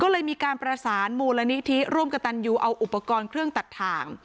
ก็เลยมีการประสานมูลนิธิร่วมกับตันยูเอาอุปกรณ์เครื่องตัดถ่าง